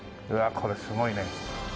これすごいね。